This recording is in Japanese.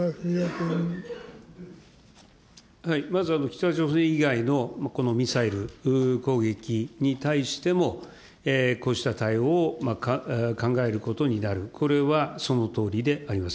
まず北朝鮮以外のミサイル攻撃に対しても、こうした対応を考えることになる、これはそのとおりであります。